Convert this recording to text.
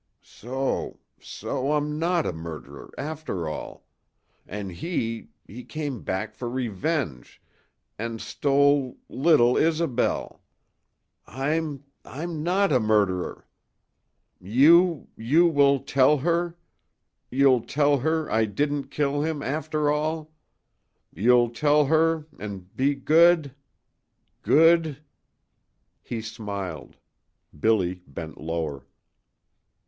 So so I'm not a murderer after all. An' he he came back for revenge and stole little Isobel. I'm I'm not a murderer. You you will tell her. You'll tell her I didn't kill him after all. You'll tell her an' be good good " He smiled. Billy bent lower.